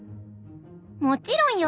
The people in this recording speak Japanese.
「もちろんよ。